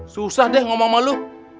susah deh ngomong sama lu